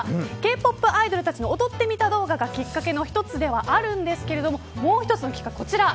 Ｋ‐ＰＯＰアイドルたちの踊ってみた動画がきっかけの一つではあるんですけれどももう一つのきっかけ、こちら。